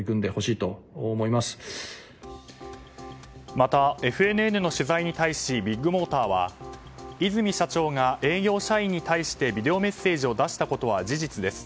またＦＮＮの取材に対しビッグモーターは和泉社長が営業社員に対してビデオメッセージを出したことは事実です。